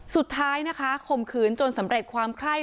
สุดท้ายนะคะข่มขืนจนสำเร็จความไคร้